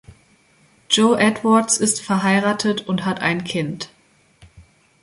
Joe Edwards ist verheiratet und hat ein Kind.